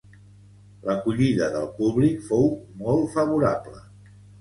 L'acollida del públic fou molt favorable.